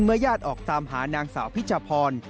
ญาติออกตามหานางสาวพิชพร